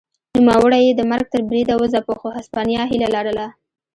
نوموړی یې د مرګ تر بریده وځپه خو هسپانیا هیله لرله.